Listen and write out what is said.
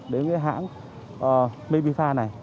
đến cái hãng mabifa này